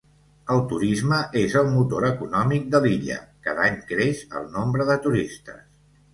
El Turisme és el motor econòmic de l'illa, cada any creix el nombre de turistes.